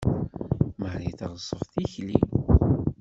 Marie teɣṣeb tikli.